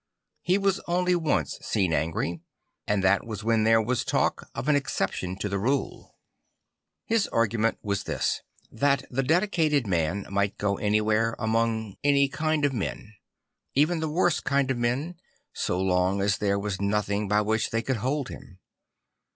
He was only once seen angry; and that \vas \vhen there was talk of an exception to the rule. 116 St. Francis of Assisi His argument was this: that the dedicated man might go anywhere among any kind of men, even the worst kind of men, so long as there was nothing by which they could hold him.